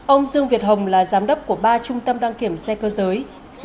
ông dương việt hồng là giám đốc của ba trung tâm đăng kiểm xe cơ giới